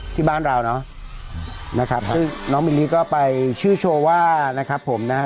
ที่บ้านเราเนอะนะครับซึ่งน้องมิลลี่ก็ไปชื่อโชว์ว่านะครับผมนะฮะ